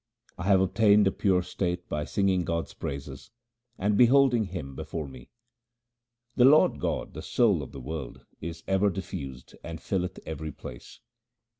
I have obtained a pure state by singing God's praises and beholding Him before me. The Lord God the soul of the world is everywhere diffused and filleth every place.